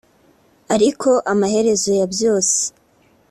ariko amaherezo ya byose